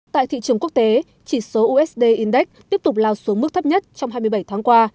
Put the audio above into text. tại thị trường quốc tế chỉ số usd index tiếp tục lao xuống mức thấp nhất trong hai mươi bảy tháng qua